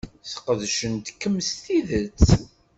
Sqedcent-kem s tidet.